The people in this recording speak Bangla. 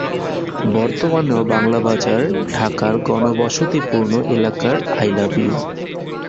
বর্তমানেও বাংলা বাজার ঢাকার ঘনবসতিপূর্ণ এলাকার একটি।